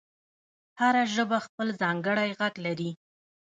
هره ژبه خپل ځانګړی غږ لري.